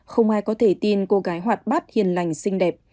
không ai có thể tin cô gái hoạt bát hiền lành xinh đẹp